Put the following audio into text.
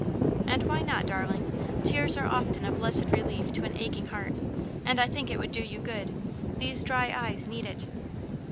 "And why not, darling? Tears are often a blessed relief to an aching heart, and I think it would do you good; these dry eyes need it."